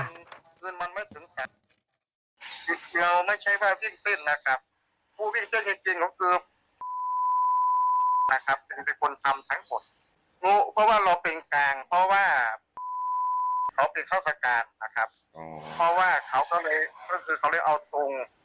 เขาเป็นเข้าสการนะครับเพราะว่าเขาก็เลยเอาตรง